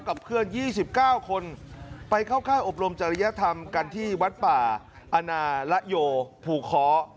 กับเพื่อน๒๙คนไปเข้าค่ายอบรมจริยธรรมกันที่วัดป่าอนาละโยภูค้อ